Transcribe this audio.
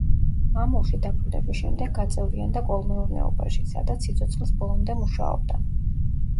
მამულში დაბრუნების შემდეგ გაწევრიანდა კოლმეურნეობაში, სადაც სიცოცხლის ბოლომდე მუშაობდა.